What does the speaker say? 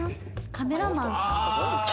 カメラマンさんとか？